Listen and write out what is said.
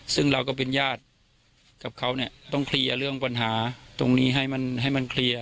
ซึ่งเราก็เป็นญาติกับเขาเนี่ยต้องเคลียร์เรื่องปัญหาตรงนี้ให้มันให้มันเคลียร์